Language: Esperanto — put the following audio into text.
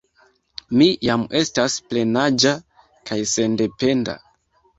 Mi jam estas plenaĝa kaj sendependa.